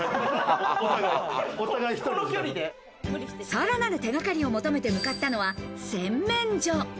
さらなる手がかりを求めて向かったのは洗面所。